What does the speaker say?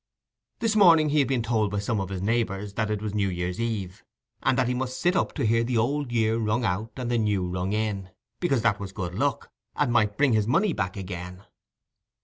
This morning he had been told by some of his neighbours that it was New Year's Eve, and that he must sit up and hear the old year rung out and the new rung in, because that was good luck, and might bring his money back again.